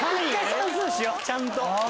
ちゃんと。